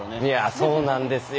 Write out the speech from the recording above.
そうなんですよ。